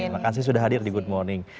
makasih sudah hadir di good morning